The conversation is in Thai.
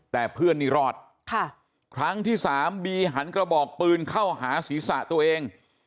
แต่เพื่อนนี่รอดค่ะครั้งที่สามบีหันกระบอกปืนเข้าหาศีรษะตัวเอง